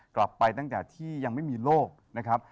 กลับไปตั้งแต่ที่ยังไม่มีโรคนะครับ